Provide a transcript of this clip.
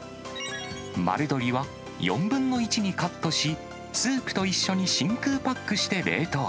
まる鶏は４分の１にカットし、スープと一緒に真空パックして冷凍。